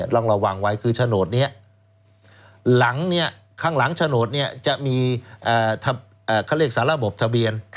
ต้องระวังว่าคือฉนดนี้ข้างหลังฉนดนี้จะมีสารบทะเบียน